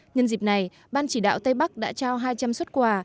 nhân dịp này ban chỉ đạo tây bắc đã trao hai trăm linh xuất quà